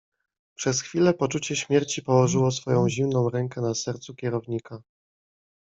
"Przez chwilę poczucie śmierci położyło swoją zimną rękę na sercu kierownika."